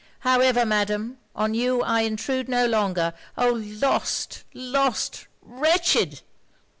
However, Madam, on you I intrude no longer. Oh! lost lost wretched!'